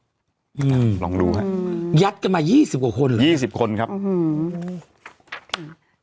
อืมลองดูฮะยัดกันมายี่สิบกว่าคนยี่สิบคนครับอืม